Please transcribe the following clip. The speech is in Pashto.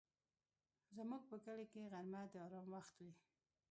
زموږ په کلي کې غرمه د آرام وخت وي